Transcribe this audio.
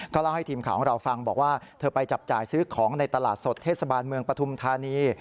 เล่าให้ทีมข่าวของเราฟังบอกว่าเธอไปจับจ่ายซื้อของในตลาดสดเทศบาลเมืองปฐุมธานี